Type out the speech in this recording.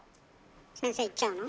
先生行っちゃうの？